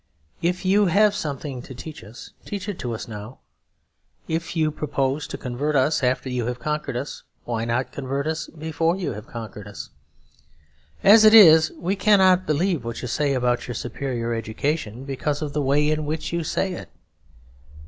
If you have something to teach us, teach it to us now. If you propose to convert us after you have conquered us, why not convert us before you have conquered us? As it is, we cannot believe what you say about your superior education because of the way in which you say it.